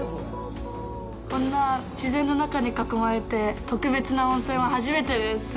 こんな自然の中に囲まれた特別な温泉は初めてです。